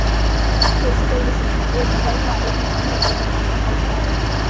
Jason Davidson je bývalým mládežnickým reprezentantem Austrálie.